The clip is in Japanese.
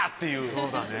そうだね。